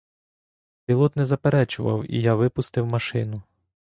Пілот не заперечував, і я випустив машину.